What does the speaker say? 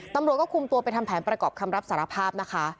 ตำรวจก็คุมตัวไปทำแผนประกอบคำรับสารภาพนะคะ